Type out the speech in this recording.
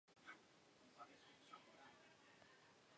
Ninguno consiguió entrar en los listados de Alemania.